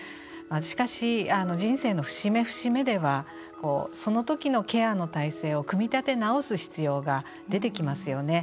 しかし、人生の節目節目ではその時のケアの態勢を組み立て直す必要が出てきますよね。